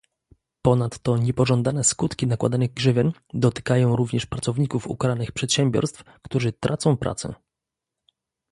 Ponadto niepożądane skutki nakładanych grzywien dotykają również pracowników ukaranych przedsiębiorstw, którzy tracą pracę